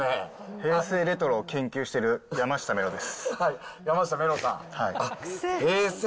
平成レトロを研究している山下メロです。